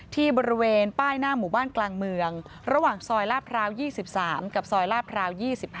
ที่บริเวณป้ายหน้าหมู่บ้านกลางเมืองระหว่างซอยลาดพร้าว๒๓กับซอยลาดพร้าว๒๕